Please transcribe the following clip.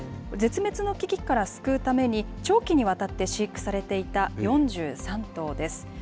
絶滅の危機から救うために、長期にわたって飼育されていた４３頭です。